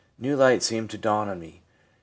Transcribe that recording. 'New light seemed to dawn on me.' M.